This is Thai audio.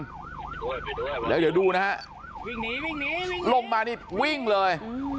ไปด้วยแล้วก็เดี๋ยวดูนะครับหลงมานิดวิ่งเลย